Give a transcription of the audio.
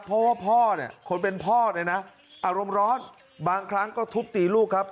เพราะว่าพ่อเนี่ยคนเป็นพ่อเนี่ยนะอารมณ์ร้อนบางครั้งก็ทุบตีลูกครับ